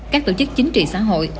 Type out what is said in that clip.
các tổ chức chính trị xã hội